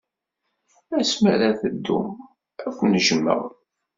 Asmi ara teddum, ad ken-jjmeɣ.